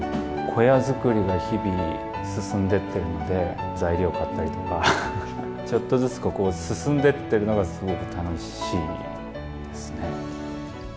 小屋作りが日々進んでいっているので、材料買ったりとか、ちょっとずつ進んでってるのがすごく楽しいですね。